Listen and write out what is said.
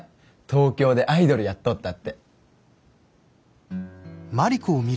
東京でアイドルやっとったって。